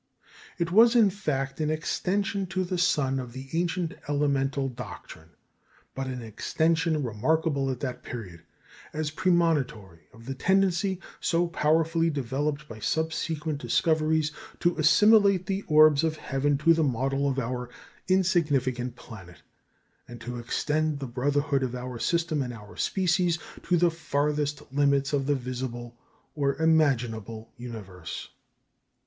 It was, in fact, an extension to the sun of the ancient elemental doctrine; but an extension remarkable at that period, as premonitory of the tendency, so powerfully developed by subsequent discoveries, to assimilate the orbs of heaven to the model of our insignificant planet, and to extend the brotherhood of our system and our species to the farthest limit of the visible or imaginable universe.